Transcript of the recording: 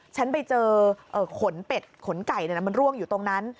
ฉันไปเจอขนเป็ดขนไก่มันร่วงอยู่ตรงนั้น